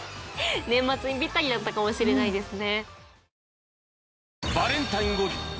年末にぴったりだったかもしれないですね。